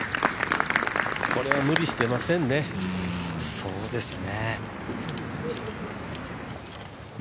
これは無理してませんね。